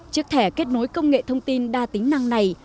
chiếc thẻ kết nối công nghệ thông tin đa tính năng này